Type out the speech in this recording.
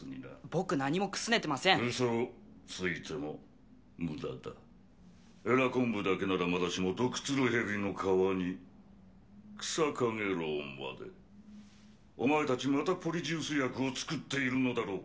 僕何もくすねてません嘘をついても無駄だ鰓昆布だけならまだしも毒ツルヘビの皮にクサカゲロウまでお前達またポリジュース薬を作っているのだろう